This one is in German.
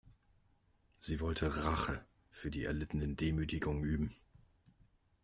Sie wollte Rache für die erlittenen Demütigungen üben.